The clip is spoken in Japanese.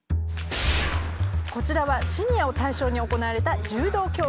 こちらはシニアを対象に行われた柔道教室。